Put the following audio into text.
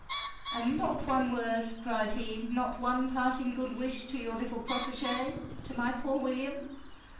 'And not one word,' cried he, 'not one parting good wish to your little protegé to my poor William?'